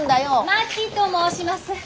まきと申します。